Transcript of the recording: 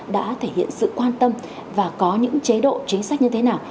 đã thể hiện sự quan tâm và có những chế độ chính sách như thế nào